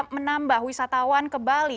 menambah wisatawan ke bali